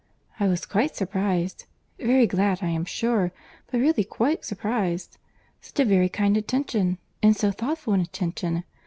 I was quite surprized;—very glad, I am sure; but really quite surprized. Such a very kind attention—and so thoughtful an attention!